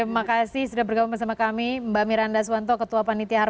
terima kasih sudah bergabung bersama kami mbak miranda swanto ketua panitia